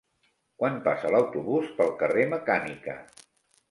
Quan passa l'autobús pel carrer Mecànica?